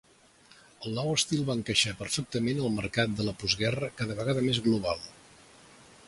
El nou estil va encaixar perfectament al mercat de la postguerra cada vegada més global.